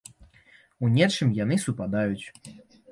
У нечым яны супадаюць.